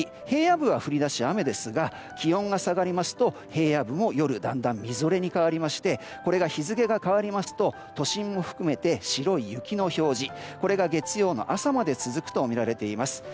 平野部は降り出し雨ですが気温が下がりますと平野部も夜、だんだんみぞれに変わりましてこれが日付が変わりますと都心も含めまして白い雪の表示、これが月曜の朝まで続くとみられています。